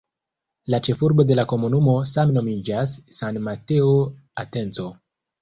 La ĉefurbo de la komunumo same nomiĝas "San Mateo Atenco".